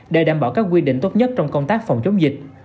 để đảm bảo các quy định tốt nhất trong công tác phòng chống dịch